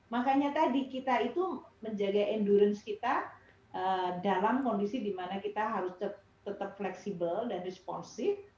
makanya tadi kita itu menjaga endurance kita dalam kondisi dimana kita harus tetap fleksibel dan responsif